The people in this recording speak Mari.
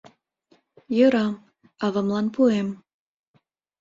Йӧра, авамлан пуэм...